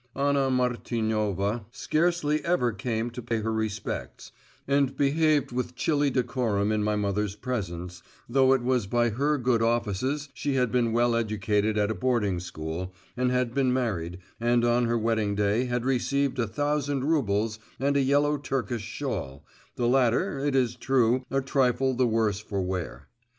Anna Martinovna scarcely ever came to pay us her respects, and behaved with chilly decorum in my mother's presence, though it was by her good offices she had been well educated at a boarding school, and had been married, and on her wedding day had received a thousand roubles and a yellow Turkish shawl, the latter, it is true, a trifle the worse for wear.